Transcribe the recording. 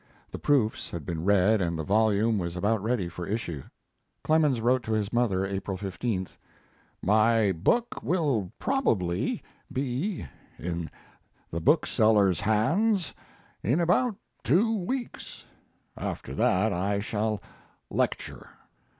The proofs had been read and the volume was about ready for issue. Clemens wrote to his mother April 15th: My book will probably be in the bookseller's hands in about two weeks. After that I shall lecture.